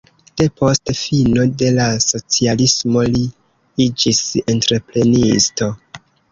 Depost fino de la socialismo li iĝis entreprenisto.